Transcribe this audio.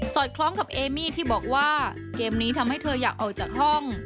อดคล้องกับเอมี่ที่บอกว่าเกมนี้ทำให้เธออยากออกจากห้อง